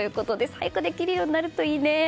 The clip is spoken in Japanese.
早くできるようになるといいね。